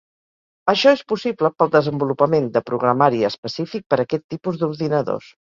Això és possible pel desenvolupament de programari específic per aquest tipus d'ordinadors.